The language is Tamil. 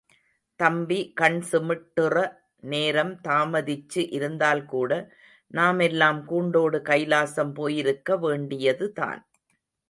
தம்பி, கண் சிமிட்டுற நேரம் தாமதிச்சு இருந்தால் கூட, நாமெல்லாம் கூண்டோடு கைலாசம் போயிருக்க வேண்டியதுதான்.